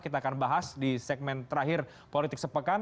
kita akan bahas di segmen terakhir politik sepekan